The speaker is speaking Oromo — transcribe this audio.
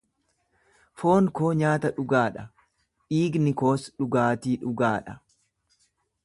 Foon koo nyaata dhugaa dha, dhiigni koos dhugaatii dhugaa dha.